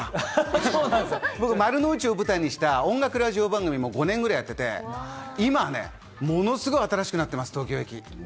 僕、丸の内を舞台にした音楽ラジオ番組を５年くらいやっていて、今ものすごい新しくなっています、東京駅。